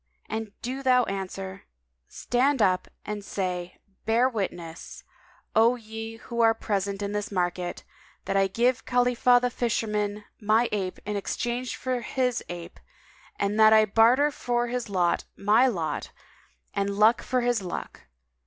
and do thou answer, 'Stand up and say, 'Bear witness, O ye who are present in the market, that I give Khalifah the fisherman my ape in exchange for his ape, and that I barter for his lot my lot and luck for his luck.'